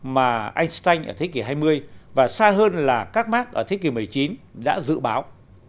mà einstein ở thế kỷ hai mươi và xa hơn là các mark ở thế kỷ một mươi chín đã dự báo